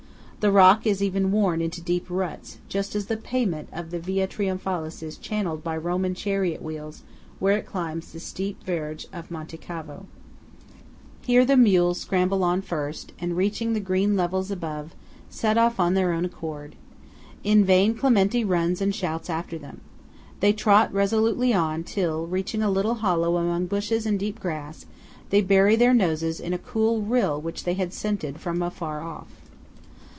The rock is even worn into deep ruts, just as the pavement of the Via Triumphalis is channelled by Roman chariot wheels, where it climbs the steep verge of Monte Cavo. Here the mules scramble on first, and, reaching the green levels above, set off on their own account. In vain Clementi runs and shouts after them. They trot resolutely on, till, reaching a little hollow among bushes and deep grass, they bury their noses in a cool rill which they had scented from afar off.